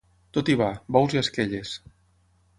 Tot hi va: bous i esquelles.